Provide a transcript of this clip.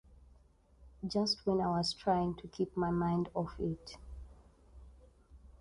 Just when I was trying to keep my mind off it.